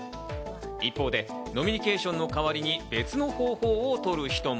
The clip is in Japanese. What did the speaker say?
一方で飲みニケーションのかわりに別の方法をとる人も。